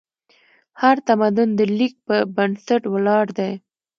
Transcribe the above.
هر تمدن د لیک په بنسټ ولاړ دی.